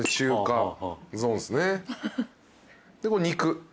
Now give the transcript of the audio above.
で肉。